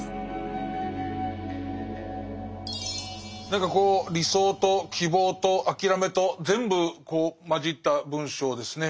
何かこう理想と希望と諦めと全部こう混じった文章ですね。